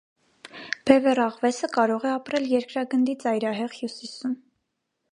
Բևեռաղվեսը կարող է ապրել երկրագնդի ծայրահեղ հյուսիսում։